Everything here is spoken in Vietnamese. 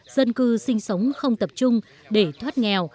dân cư sinh sống không tập trung để thoát nghèo